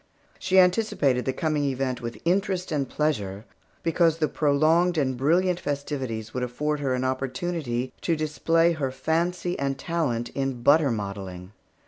She anticipated the coming event with interest and pleasure, because the prolonged and brilliant festivities would afford her an opportunity to display her fancy and talent in butter modelling.